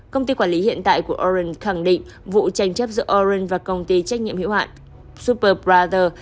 công ty quản lý hiện tại của orange khẳng định vụ tranh chấp giữa orange và công ty trách nhiệm hữu hạn superbrother